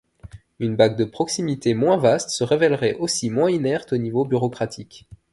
Une baque de proximité moins vaste se révèlerait aussi moins inerte au niveau bureaucratique.